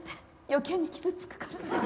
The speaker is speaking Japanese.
余計に傷つくから。